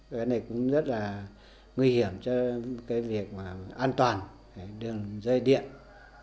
cái này cũng rất là nguy hiểm cho cái việc an toàn đường dây điện trong mùa mưa bão